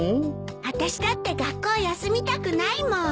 あたしだって学校休みたくないもん。